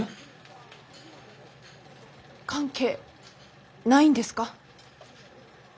関係ないんですか？